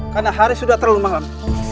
karena hari sudah terlalu malam